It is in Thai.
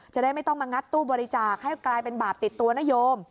จะได้ไม่ต้องมางัดตู้บริจาคให้กลายเป็นบาปติดตัวนโยม